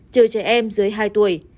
trừ trẻ em dưới hai tuổi